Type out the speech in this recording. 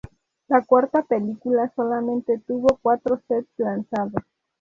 La cuarta película solamente tuvo cuatro sets lanzados.